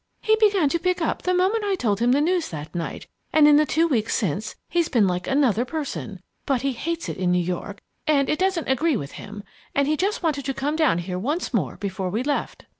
He began to pick up the moment I told him the news that night; and in the two weeks since, he's been like another person. But he hates it in New York and it doesn't agree with him, and he just wanted to come down here once more before we left."